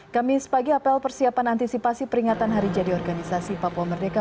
kamis pagi apel persiapan antisipasi peringatan hari jadi organisasi papua merdeka